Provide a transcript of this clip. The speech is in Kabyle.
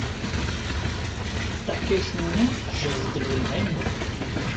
Taḥkayt-nni tejbed-d lwelha-inu.